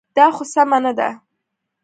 دا خو سمه نه ده.